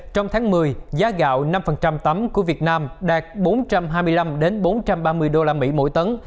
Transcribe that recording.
trong tháng một mươi giá gạo năm tấm của việt nam đạt bốn trăm hai mươi năm bốn trăm ba mươi usd mỗi tấn